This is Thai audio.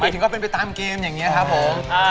ถึงก็เป็นไปตามเกมอย่างนี้ครับผม